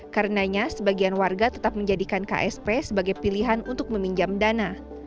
karena sebagian warga tetap menjadikan ksp sebagai pilihan untuk meminjam dana